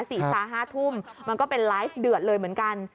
ห้าทุ่มมันก็เป็นไลฟ์เดือดเลยเหมือนกัน